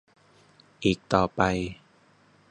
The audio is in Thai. อีกต่อไป